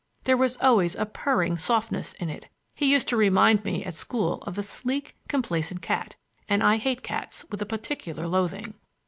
There was always a purring softness in it. He used to remind me at school of a sleek, complacent cat, and I hate cats with particular loathing.